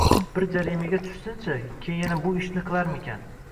Bir jarimaga tushsinchi keyin yana bu ishni qilarmikin?!